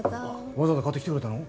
わざわざ買ってきてくれたの？